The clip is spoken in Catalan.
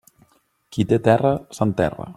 Qui té terra, s'enterra.